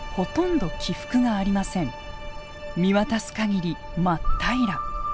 見渡す限り真っ平ら。